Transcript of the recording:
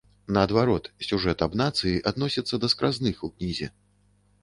Наадварот, сюжэт аб нацыі адносіцца да скразных у кнізе.